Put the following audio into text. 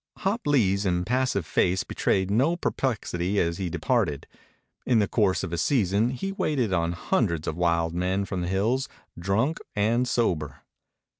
Hop Lee's impassive face betrayed no perplexity as he departed. In the course of a season he waited on hundreds of wild men from the hills, drunk and sober.